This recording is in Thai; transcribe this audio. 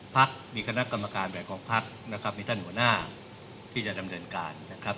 พักมีคณะกรรมการแบบของพักนะครับมีท่านหัวหน้าที่จะดำเนินการนะครับ